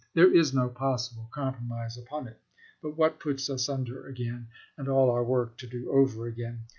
There is no possible compromise upon it but what puts us under again, and all our work to do over again.